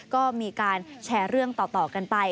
ก็มีการแชร์เรื่องต่อกันไป